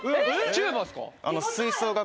チューバっすか？